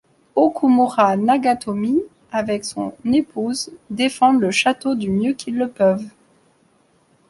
Okumura Nagatomi, avec son épouse, défendent le château du mieux qu'ils le peuvent.